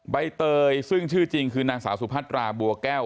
ใบเตยซึ่งชื่อจริงคือนางสาวสุพัตราบัวแก้ว